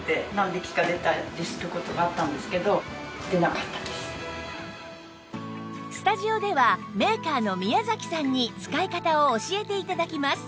果たしてスタジオではメーカーの宮さんに使い方を教えて頂きます